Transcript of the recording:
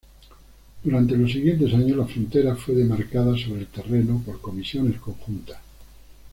Durante los siguientes años, la frontera fue demarcada sobre el terreno por comisiones conjuntas.